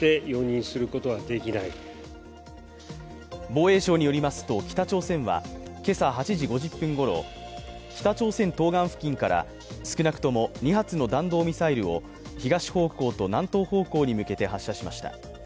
防衛省によりますと、北朝鮮は今朝８時５０分ごろ、北朝鮮東岸付近から少なくとも２発の弾道ミサイルを東方向と南東方向に向けて発射しました。